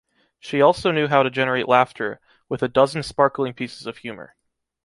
She also knew how to generate laughter, with a dozen sparkling pieces of humor.